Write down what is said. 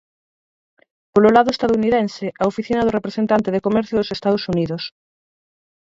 Polo lado estadounidense, a Oficina do Representante de Comercio dos Estados Unidos.